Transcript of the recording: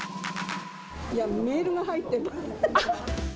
いや、メールが入って。